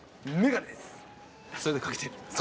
それでかけてる？